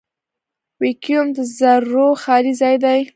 ویکیوم د ذرّو خالي ځای دی.